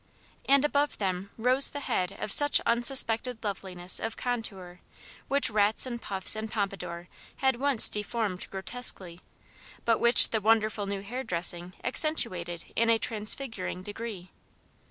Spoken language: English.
And above them rose the head of such unsuspected loveliness of contour, which rats and puffs and pompadour had once deformed grotesquely, but which the wonderful new hair dressing accentuated in a transfiguring degree.